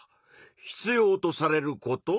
必要とされること？